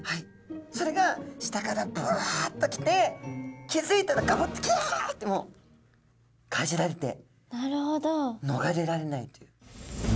それが下からブワッと来て気付いたらガブッてキャッてもうかじられてのがれられないという。